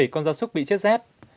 bốn mươi bảy con da súc bị chết rết